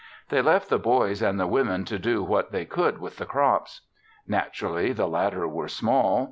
They left the boys and the women to do what they could with the crops. Naturally the latter were small.